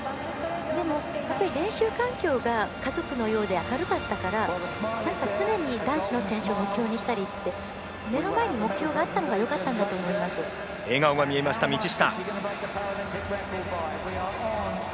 でも、練習環境が家族のようで明るかったから常に男子の選手を目標にしたりって目の前に目標があったのが笑顔が見えました、道下。